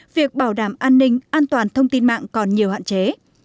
việc bảo đảm an ninh an toàn thông tin mạng còn nhiều hạn chế